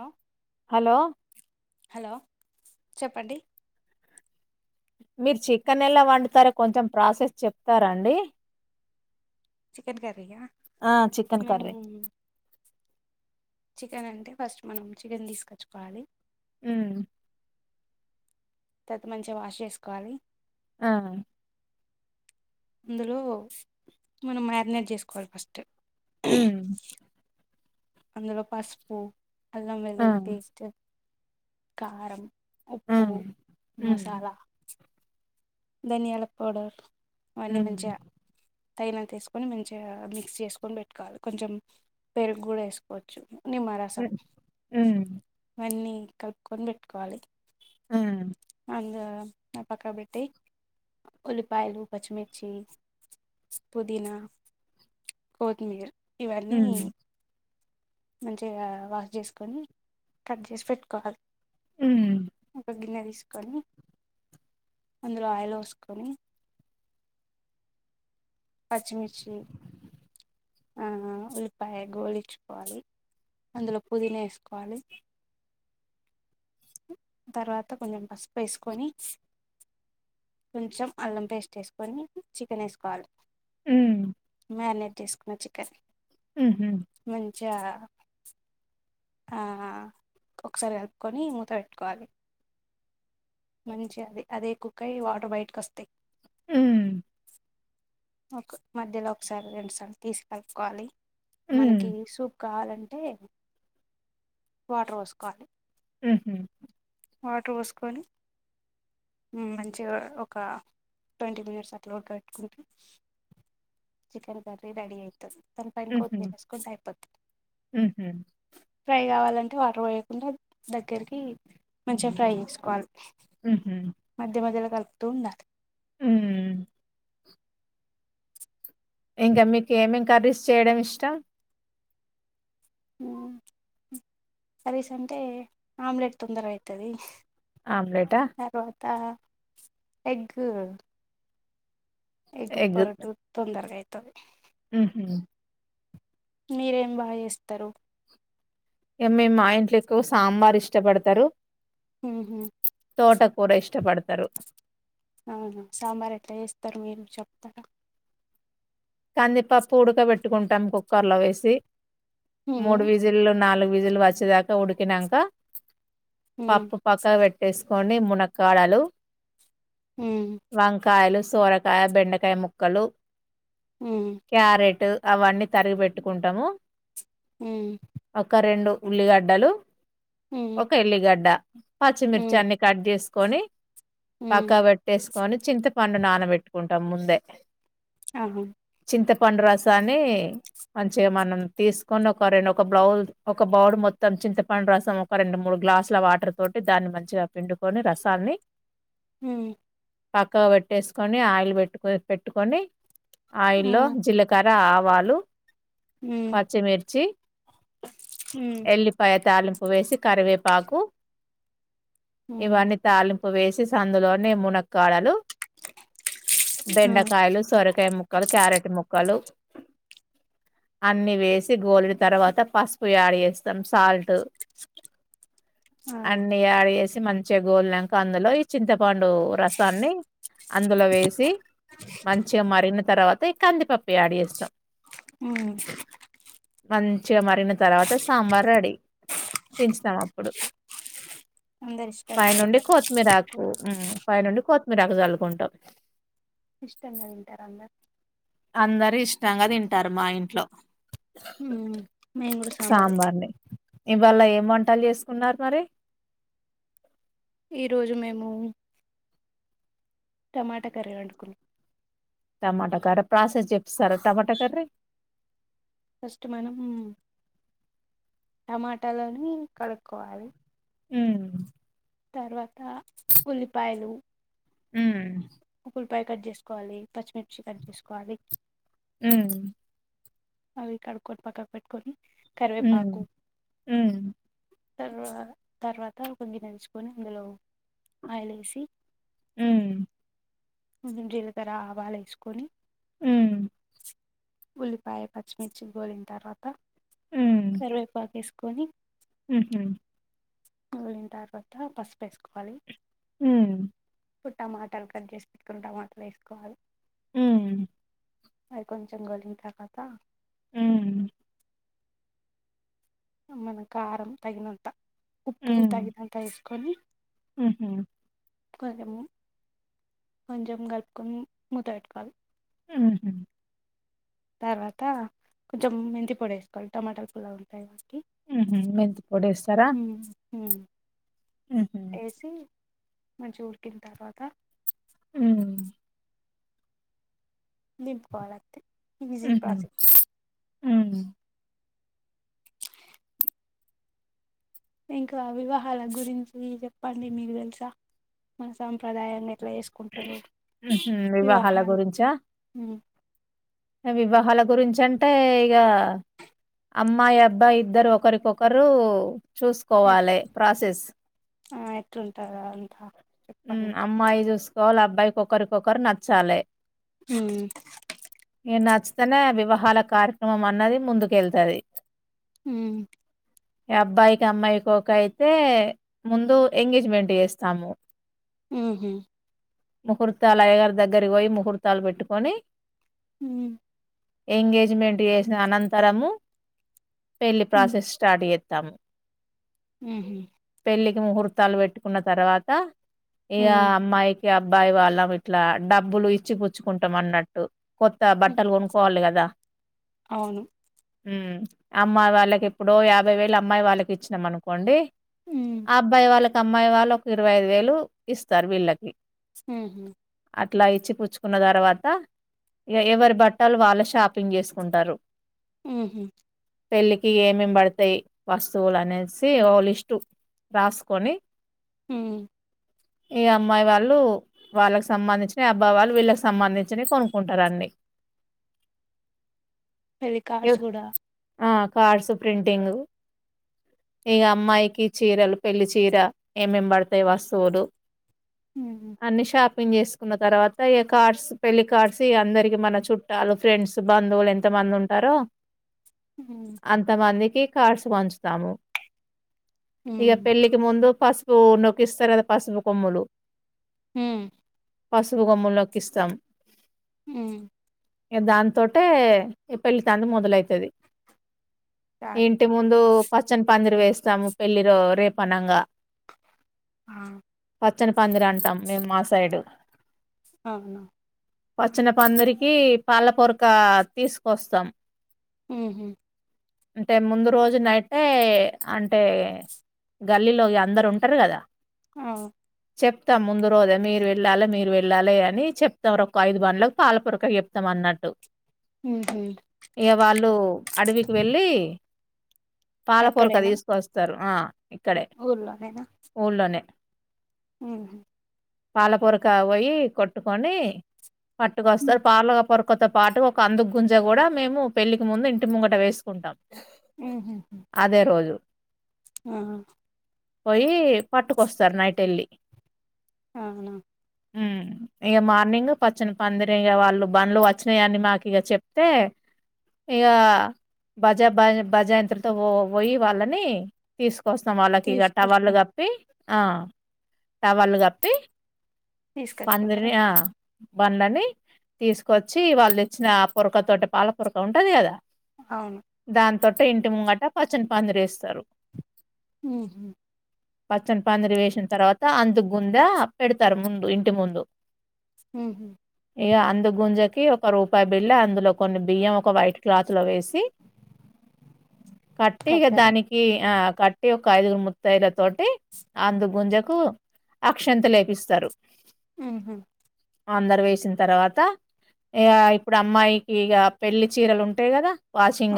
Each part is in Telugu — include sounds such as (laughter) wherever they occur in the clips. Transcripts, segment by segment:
హలో హలో హలో చెప్పండి మీరు చికెన్ ఎలా వండుతారో కొంచెం ప్రాసెస్ చెప్తారాండి చికెన్ కర్రీయా ఆ చికెన్ మేము కర్రీ చికెన్ అంటే ఫస్ట్ మనం చికెన్ తీసుకొచ్చుకోవాలి హుమ్ తర్వాత మంచిగా వాష్ చేసుకోవాలి ఆ అందులో మనం మ్యారినేట్ చేసుకోవాలి (inaudible) హ్మ్ అందులో పసుపు అల్లం ఆ వెల్లుల్లి పేస్టు కారం ఆ ఉప్పు హ్మ్ మసాలా ధనియాల పౌడర్ అన్నీ హ్మ్ మంచిగా తగినన్ని తీసుకొని మంచిగా మిక్స్ చేసుకొని పెట్టుకోవాలి కొంచెం పెరుగు కూడా వేసుకోవచ్చు హ్మ్ నిమ్మరసం ఇవన్నీ కలుపుకొని పెట్టుకోవాలి ఆమ్ అందులో పక్క పెట్టి ఉల్లిపాయలు పచ్చిమిర్చి పుదీనా కొత్తిమీర ఇవన్నీ హ్మ్ మంచిగా వాష్ చేసుకొని కట్ చేసి పెట్టుకోవాలి ఒకగిినది వేసుకొని అందులో ఆయిల్ పోసుకుని పచ్చి మిర్చి ఆ ఉల్లిపాయ గోలిచ్చుకోవాలి అందులో పుదీనా వేసుకోవాలి తర్వాత కొంచెం పసుపు వేసుకొని కొంచెం అల్లం పేస్ట్ వేసుకొని చికెన్ వేసుకోవాలి హ్మ్ మ్యారినేట్ చేసుకోవచ్చు (inaudible) ఆ హా చ ఆ ఒకసారి కలుపుకొని మూత పెట్టుకోవాలి మంచి గా అది అదే కుక్కై వాటర్ బయటకి వస్తాయి ఆమ్ ఒక మధ్యలో ఒకసారి రెండు సార్లు తీసి కలుపుకోవాలి హ్మ్ మనకి సూప్ కావాలంటే అంటే వాటర్ పోసుకోవాలి ఊ హా వాటర్ పోసుకొని హమ్ మంచిగా ఒక ట్వంటీ మినిట్స్ అట్లా ఉడకపెట్టుకొని చికెన్ కర్రీ రెడీ అయి తాది ని పైన ఉహూ కొత్తిమీర వేసుకుంటే అయిపోతాది ఉహూ ఫ్రై కావాలంటే వాటర్ వోయకుండా దగ్గరికి మంచిగా ఫ్రై చేసుకోవాలి ఉహు మధ్య మధ్యలో కలుపుతూ ఉండాలి ఊమ్ ఇంకా మీకు ఏమేమ్ కర్రీస్ చేయడం ఇష్టం ఊమ్ కర్రీస్ కంటే ఆమ్లెట్ తొందర అయితది ఆమ్లెటా తర్వాత ఎగ్గు ఎగ్ పరోట కూడ తొందరనే త (unintelligible) ఉహు మీరు ఏం బాగా చేేస్తారు ఇంగ మేం మా ఇంట్లో ఎక్కువ సాంబార్ ఇష్టపడతారు ఉహు తోట కూర ఇష్టపడతరు అవును సాంబార్ ఎట్లా చేస్తారు మీరు చెప్ కందిపప్పు ఉడక బెట్టుకుంటాం కుక్కర్లో వేసి మూడు ఉమ్, విజిల్లు నాలు విజిల్లు వచ్చేదాకా ఉడికినంక ఉమ్, పప్పు పక్కక్ వెట్టేసి కొని మునక్కాడలు ఉమ్, వంకాయలు సోరకాయ బెండకాయ ముక్కలు ఉమ్, క్యారెటు అవన్నీ తరిగి పెట్టుకుంటము ఉమ్, ఒక రెండు ఉల్లిగడ్డలు ఉమ్. ఒక ఎల్లిగడ్డ అ (inaudible) పచ్చిమిర్చి హ్మ్ అన్ని కట్ జేస్ కొని పక్క హ్మ్ వెట్టేసి కాని చింతపండు నానబెట్టుకుంటం ముందే ఆహ చింతపండు రసాన్ని మంచిగా మనం తీసుకొని ఒక రెండు ఒక బౌల్ ఒక బౌడ్ మొత్తం చింతపండు రసం ఒక రెండు మూడు గ్లాసుల వాటర్ తోటి దాన్ని మంచిగా పిండుకొని రసాన్ని ఉ పక్కకు వెట్టేసుకొని ఆయిల్ పెట్టు పెట్టుకొని ఆయిల్ లో హ్మ్ జిల్లకార్ ఆవాలు హ్మ్ పచ్చిమిర్చి హ్మ్ ఎల్లిపాయ తాలింపు వేసి కరివేపాకు హ్మ్ ఇవన్నీ తాలింపు వేసేసి అందులోనే మునక్కాడలు ఆ! బెండకాయలు సొరకు పెము ముక్కలు క్యారెట్ ముక్కలు అన్నీ వేసి గోరిడు తర్వాత పసుపు యాడ్ చేస్తాం సాల్ట్ ఆ! అన్ని యాడ్ చేసి మంచిగా గోల్నాంక అందులో ఈ చింతపండు రసాన్ని అందులో వేసి మంచిగా మరిగిన తర్వాత ఈ కందిపప్పు యాడ్ చేస్తా హ్మ్ మళ్ల్ మంచిగా మరిగిన తర్వాత సాంబార్ రెడీ దించుతాం అప్పుడు అందరు ఇష్టంగా పైనుండి తింటారా? కొత్తిమీరాకు పై నుండి కొత్తిమీరాకు జల్లుకుంటాం ఇష్టంగా తింటారు అందరు అందరు ఇష్టంగా తింటారు మా ఇంట్లో హ్మ్ మేము కూడా సాంబార్ తింటాం. సాంబార్ని ఇవాళ ఏ వంటలు చేసుకున్నారు మరి ఈ రోజు మేము టమాటా కర్రీ వండుకున్నాం టమాటా కర్ర ప్రాసెస్ చేపిస్తారా టమాటా కర్రీ ఫస్ట్ మనం టమాటాలని కడుక్కోవాలి ఉమ్ తర్వాత ఉల్లిపాయలు ఉమ్ ఒక ఉల్లిపాయ కట్ చేసుకోవాలి పచ్చిమిర్చి కట్ చేసుకోవాలి ఉమ్ అవి కడుక్కొని పక్కక పెట్టుకొని ఉమ్ కరివేపాకు ఉమ్ తర్వా తర్వాత ఒక గిన్నె తీసుకొని అందులో ఆయిల్ వేసి ఉమ్ జీలకర్ర ఆవాలు వేసుకొని ఉమ్ ఉల్లిపాయ పచ్చిమిర్చి గోలిన తర్వాత కరివేపాకు వేసుకోల్ల కొని ఉహు గోలిన తర్వాత పసుపు వేసుకోవాలి మ్ ఇప్పుడు టమాటాలు కట్ చేసి పెట్టుకుని టమాటాలు వేసుకోవాలి హ్మ్ అవికొంచెం గోలిన తర్వాత హ్మ్ మన కారం తగినంత ఉప్పు తగినంత ఏసు కొని ఊహు కొంచెం కొంచెం కలుపుకొని మూత పెట్టుకోవాలి హ్మ్ తర్వాత కొంచెం మెంతిపొడి వేసుకోవాలి టమాటాలు పుల్లగా ఉంటాయి ఉహు మెంతిపొడి ఏస్తారా హ్మ్ ఏసి మంచిగ ఉడికిన తర్వాత హ్మ్ దింపుకోవాలంతే ఈజీ హుహు. ప్రాసెస్ హ్మ్. ఇంకా వివాహాల గురించి చెప్పండి మీకు తెలుసా మన సాంప్రదాయంగా ఎట్లా చేసుకుంటారు హుహు. వివాహాల వివాహాలు గురించా? వివాహాల గురించి అంటే ఇక అమ్మాయి అబ్బాయి ఇద్దరు ఒకరికొకరు ఎట్ చూసుకోవాలి ప్రాసెస్ ఆ, ఎట్లుంటారు అంతా హు చెప్పండి అమ్మాయి చూసుకోవాలి వాళ్లకి ఒకరికొకరు నచ్చాలే హ్మ్ నచ్చితేనే వివాహాల కార్యక్రమం అన్నది ముందుకెళ్తాది హ్మ్ అబ్బాయికి అమ్మాయికి ఓకే అయితే ముందు ఎంగేజ్మెంట్ చేస్తాము ఆహ ముహూర్తాలు అయగారి దగ్గరకి పోయి ముహూర్తాలు పెట్టుకొని (inaudible) ఎంగేజ్మెంట్ చేసిన అనంతరము పెళ్ళి ప్రాసెస్ స్టార్ట్ చే తము హ్మ్ హ్మ్ పెళ్లికి ముహూర్తాలు పెట్టుకున్న తర్వాత ఇకా ఉమ్ అమ్మాయి అబ్బాయి వాళ్ళం ఇట్లా డబ్బులు ఇచ్చి పుచ్చుకుంటాం అన్నట్టు కొత్త ఉమ్, బట్టలు కొనుక్కోవాలి కదా అవును హుమ్ అమ్మాయి వాళ్ళకి ఎప్పుడో యాభై వేలు అమ్మాయి వాళ్ళకి ఇచ్చినాం అనుకోండి ఉమ్ అబ్బాయి వాళ్ళ అమ్మాయి వాళ్లకు ఇరవై ఐదు వేలు ఇస్తారు వీళ్ళకి ఉమ్ హ్మ్మ్ అట్లా ఇచ్చి పుచ్చుకున్న తర్వాత ఎవరి బట్టలు వాళ్ళ షాపింగ్ చేసుకుంటారు ఉమ్ హ్మ్మ్ పెళ్ళికి ఏమేమి పడతాయి వస్తువులు అనేసి ఓ లిస్టు రాసుకొని ఉమ్ ఇగ అమ్మాయి వాళ్ళు వాళ్ళకి సంబంధించిన అబ్బాయి వాళ్ళు వీళ్ళకి సంబంధించిన కొను కుంటారండి పెళ్ళికార్డ్స్ కూడా ఆ కార్డ్స్ ప్రింటింగ్ ఇగా అమ్మాయికి చీరలు పెళ్లి చీర ఏమేమి పడతాయి వస్తువులు ఉమ్ అన్నిషా ఓపెన్ చేసుకున్న తర్వాత ఈ కార్డ్స్ పెళ్లి కార్డ్స్ అందరికి మన చుట్టాలు ఫ్రెండ్స్ బంధువులు ఎంత మంది ఉంటారో ఉమ్ అంత మంది కి కార్డ్స్ పంచుతాము ఇక ఉమ్ పెళ్ళికి ముందు పసుప్ కో నొక్కిస్తారు కదా పసుపు కొమ్ములు ఉమ్ పసుపు గోమ్ముంలోకిస్తాం ఉమ్ ఇక దాంతోటే ఈ పెళ్ళి తంది మొదలైతది చాట్ ఇంటి ముందు పచ్చని పందిరి వేస్త ఇస్తాము పెళ్ళి రో రేపు అనంగా ఆ పచ్చని పందిరీ అంటాం మేము మాసైయుడు అవునా పచ్చన పందరికి పాల పొరక తీసుకొస్తాం ఉమ్ హ్మ్మ్ అంటే ముందు రోజు నైట్టే అంటే గల్లీలో అందరు ఉంటారు గదా ఆ చెప్తాం ముందు రోజే మీరు వెళ్ళాలి మీరు వెళ్ళాలి అని చెప్తారో ఐదు బండ్లకు పాల పొరక చెప్తాం అన్నట్టు ఉహు ఇక వాళ్ళు అడవికి వెళ్ళి పాల పొరక అక్కడేనా తీసుకొస్తారు ఆ ఇక్కడే ఊళ్లోనే ఉమ్ పాలపొరకా పోయి కొట్టుకొని పట్టుకొస్తారు ఉమ్ పార్లు పొర కొత్త పాటు ఒక అందుకుంజ గూడా మేము పెళ్ళికి ముందు ఇంటి ముంగట వేసుకుంటాం ఉహు అదే రోజు ఆ పొయి పట్టుకొస్తారు నైట్ ఎళ్ళి అవునా హ్మ్ ఇగ మార్నింగ్ పచ్చని పందిరిగ వాళ్ళు బండ్లు వచ్చినయి అన్ని మాకి ఇగ చెప్తే ఇగా బజ బజంత్రితో పోయి వాళ్ళని తీసు కొస్తం వాళ్ళకి ఇగ టవళ్ళు తీసుకొచ్చుకుంట గప్పి ఆ టవళ్లు గప్పి తీసుకచ్చుకుంటారా ధనులన్నీ తీసుకొచ్చి వాళ్ళు తేచ్చిన పొరక తోట పాల పోరక ఉంటది కదా అవును దాంతో అట్ట ఇంటి ముంగట పచ్చని పందిరీ ఎస్తరు ఉహ్మ పచ్చని పందిరి వేసిన తర్వాత అంతకు గుంద పెడతారు ముందు ఇంటి ముందు హ్మ్ హు ఇగ అందు గుంజకి ఒక రూపాయి బిల్ల అందులో కొన్ని బియ్యం ఒక వైట్ క్లాత్ తులో వేసి కట్టి ఇగ కడతారా దానికి ఆ కట్టి ఒక ఐదుగురు ముత్తాయిదుల తోటి అందు గుంజకు అక్షంత లేపిస్తారు ఉహ్మ ఆందర వేసిన తర్వాత ఇగ అమ్మాయికి ఇగ పెళ్లి చీరలు ఉంటాయి కదా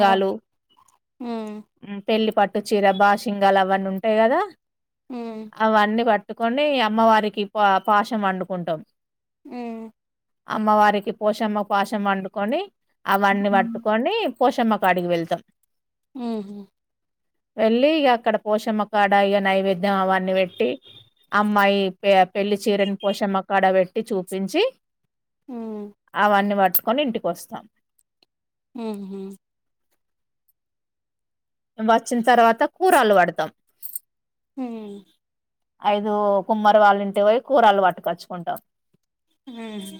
ఉ ఉ పెళ్లి పట్ కొత్త చీర బా సింగాలు అవన్నీ ఉంటాయి కదా అవన్నీ పట్ పట్టుకొని అమ్మవారికి పా పాశం అన్డుకుంటాం హ్మ్ అమ్మవారికి పోషమ్మ పాశం అన్డుకొని అవన్నీ పట్టుకొని పోశమ్మ కాడికి వెళ్తాం ఉహ్మ వెళ్ళి ఇగ అక్కడ పోషమ్మకాడ ఇగ నైవేద్యం అవన్నీ పెట్టి అమ్మాయి పెళ్లి చీరని పోషమ్మకాడ పెట్టి టి చూపించి ఉ అవన్నీ వాట్ కొని ఇంటికి వస్తాం ఉహ్మ వచ్చిన తర్వాత కూరలు పడతాం హ్మ్ ఐదు కుమ్మరి వాళ్ళంటే పోయి కూరలు పట్టుకచ్చుకుంటాం హ్మ్